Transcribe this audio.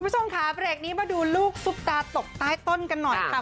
คุณผู้ชมค่ะเบรกนี้มาดูลูกซุปตาตกใต้ต้นกันหน่อยค่ะ